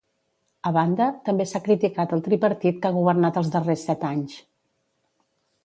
A banda, també s'ha criticat el tripartit que ha governat els darrers set anys.